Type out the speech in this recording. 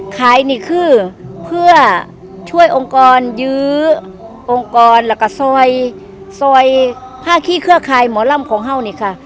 ขายนี่คือเพื่อช่วยองค์กรยื้อองค์กรแล้วก็ซอยซอยผ้าขี้เครือข่ายหมอลำของเฮ่านี่ค่ะ